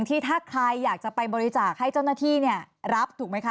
ที่ถ้าใครอยากจะไปบริจาคให้เจ้าหน้าที่รับถูกไหมคะ